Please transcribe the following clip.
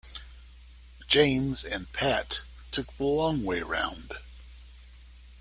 James and Pat took the long way round.